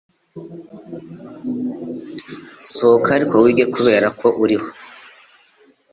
Sohoka Ariko wige kubera ko ukiriho